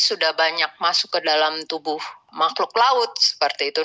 sudah banyak masuk ke dalam tubuh makhluk laut seperti itu